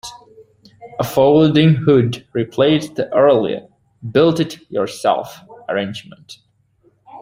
A folding hood replaced the earlier "build it yourself" arrangement.